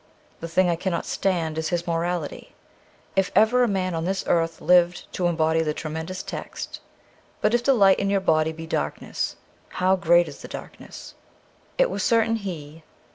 The thing I cannot stand is his morality. If ever a man on this earth lived to embody the tremendous text, ' But if the light in your body be darkness, how great is the darkness !' it was certainly he.